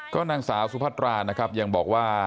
ก็นางสาวสุพัตรานะครับยังบอกว่า